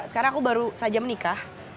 sekarang aku baru saja menikah